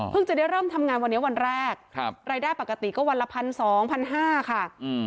จะได้เริ่มทำงานวันนี้วันแรกรายได้ปกติก็วันละพันสองพันห้าค่ะ